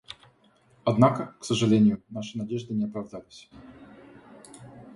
Однако, к сожалению, наши надежды на оправдались.